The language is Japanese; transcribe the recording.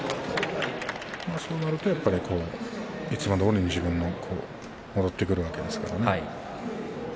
そうなるといつもどおりの自分が戻ってくるわけですから。